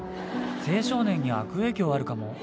青少年に悪影響あるかも。